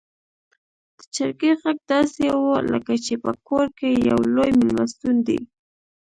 د چرګې غږ داسې و لکه چې په کور کې يو لوی میلمستون دی.